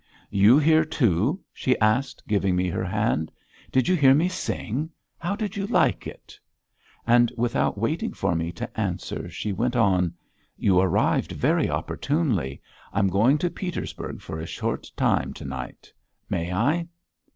"You here, too?" she asked, giving me her hand. "Did you hear me sing? How did you like it?" And, without waiting for me to answer she went on: "You arrived very opportunely. I'm going to Petersburg for a short time to night. May I?"